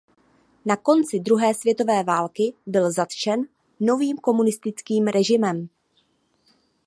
Na konci druhé světové války byl zatčen novým komunistickým režimem.